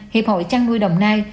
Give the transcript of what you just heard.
hiệp hội chăn nuôi đồng nai